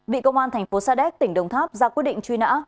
bị công an thành phố sa đéc tỉnh đồng tháp ra quyết định truy nã